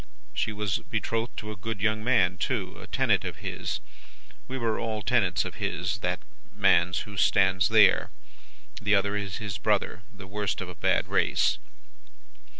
She was betrothed to a good young man, too: a tenant of his. We were all tenants of his that man's who stands there. The other is his brother, the worst of a bad race.